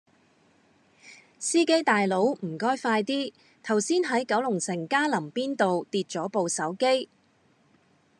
司機大佬唔該快啲，頭先喺九龍城嘉林邊道跌左部手機